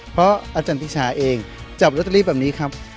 เพราะอาจารย์ติชาเองจับลอตเตอรี่แบบนี้ครับ